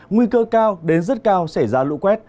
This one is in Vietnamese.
nguy cơ cao đến rất cao xảy ra lũ quét